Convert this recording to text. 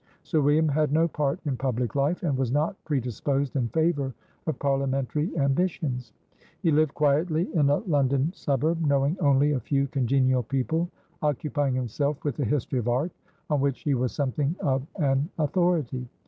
Sir William had no part in public life, and was not predisposed in favour of parliamentary ambitions; he lived quietly in a London suburb, knowing only a few congenial people, occupying himself with the history of art, on which he was something of an authority.